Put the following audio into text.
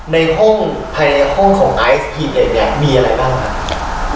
ในห้องภายในห้องของไอซ์พีเหล็กเนี่ยมีอะไรบ้างครับ